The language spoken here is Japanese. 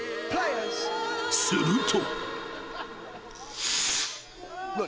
［すると］